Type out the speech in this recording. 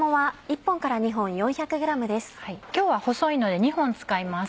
今日は細いので２本使います。